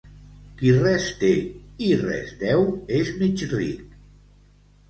Qui res té i res deu és mig ric.